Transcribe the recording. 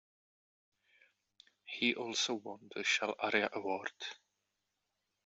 He also won the Shell Aria Award.